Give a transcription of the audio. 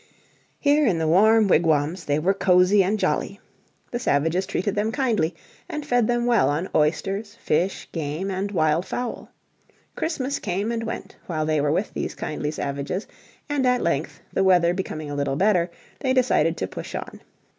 Here in the warm wigwams they were cosy and jolly. The savages treated them kindly, and fed them well on oysters, fish, game and wild fowl. Christmas came and went while they were with these kindly savages, and at length, the weather becoming a little better, they decided to push on.